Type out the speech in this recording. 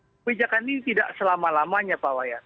kebijakan ini tidak selama lamanya pak wayan